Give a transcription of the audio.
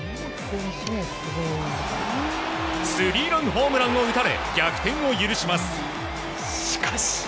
スリーランホームランを打たれ逆転を許します。